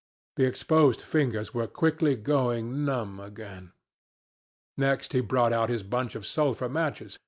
The exposed fingers were quickly going numb again. Next he brought out his bunch of sulphur matches.